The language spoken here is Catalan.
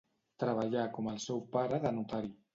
Treballà com el seu pare de notari.